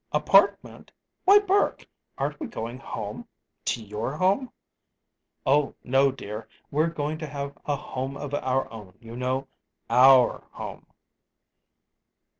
Apartment! Why, Burke, aren't we going home to your home?" "Oh, no, dear. We're going to have a home of our own, you know our home."